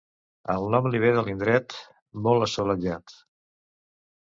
El nom li ve de l'indret, molt assolellat.